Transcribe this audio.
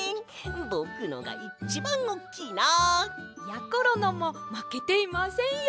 ぼくのがいちばんおっきいな！やころのもまけていませんよ。